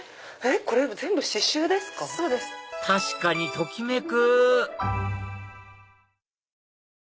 確かにときめく！